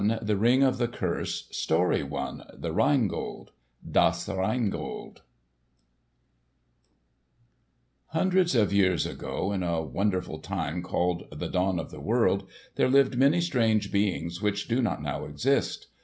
*The Ring of the Curse* (Der Ring des Nibelungen) *PART I* *THE RHINE GOLD* Hundreds of years ago in a wonderful time called the dawn of the world there lived many strange beings which do not now exist.